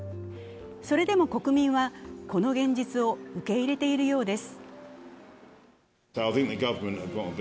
それでも国民は、この現実を受け入れているようです。